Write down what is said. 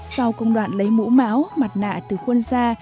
sau công đoạn lấy mũ máu mặt nạ từ khuôn ra